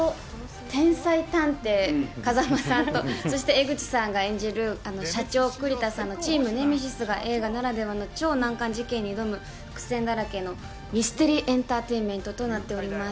天才探偵、風真さんと、そして江口さんが演じる社長、栗田さんのチームネメシスが映画ならではの超難関事件に挑む伏線だらけのミステリーエンターテインメントとなっております。